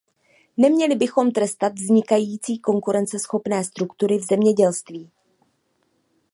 Neměli bychom trestat vznikající, konkurenceschopné struktury v zemědělství.